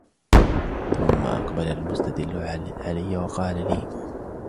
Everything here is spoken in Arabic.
ثُمَّ أَقْبَلَ الْمُسْتَدِلُّ عَلَيَّ وَقَالَ لِي